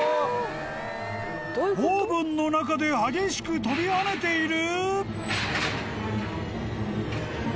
［オーブンの中で激しく飛び跳ねている！？］